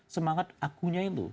semangat akunya itu